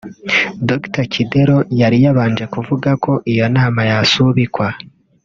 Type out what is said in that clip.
Dr Kidero yari yabanje kuvuga ko iyo nama yasubikwa